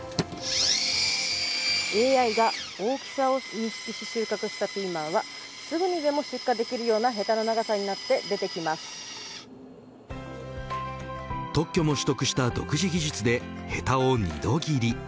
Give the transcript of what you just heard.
ＡＩが大きさを認識して収穫したピーマンはすぐにでも出荷できるようなへたの長さになって特許も取得した独自技術でへたを２度切り。